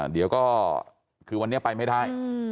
เดี๋ยวก็คือวันนี้ไปไม่ได้